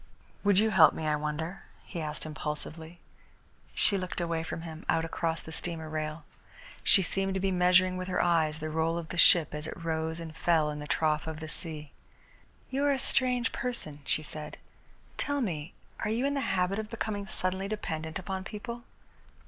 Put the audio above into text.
"Would you help me, I wonder?" he asked impulsively. She looked away from him, out across the steamer rail. She seemed to be measuring with her eyes the roll of the ship as it rose and fell in the trough of the sea. "You are a strange person," she said. "Tell me, are you in the habit of becoming suddenly dependent upon people?"